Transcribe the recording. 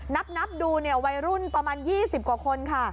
นับดูเนี่ยวัยรุ่นประมาณ๒๐กว่าคนค่ะ